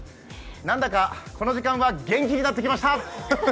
なんだか、この時間は元気になってきました！